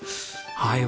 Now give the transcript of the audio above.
はい。